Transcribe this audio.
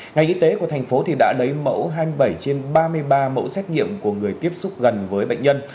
ngành y tế của thành phố đã lấy mẫu hai mươi bảy trên ba mươi ba mẫu xét nghiệm của người tiếp xúc gần với bệnh nhân